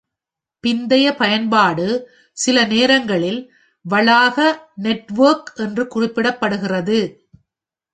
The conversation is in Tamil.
பிந்தைய பயன்பாடு சில நேரங்களில் வளாக நெட்வொர்க் என்றும் குறிப்பிடப்படுகிறது.